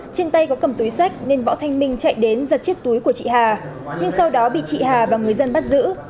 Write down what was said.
trên tay có cầm túi sách nên võ thanh minh chạy đến giật chiếc túi của chị hà nhưng sau đó bị chị hà và người dân bắt giữ